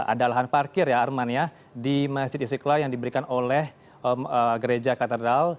ada lahan parkir ya arman ya di masjid istiqlal yang diberikan oleh gereja katedral